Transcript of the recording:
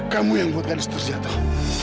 kamu yang buat gadis terjatuh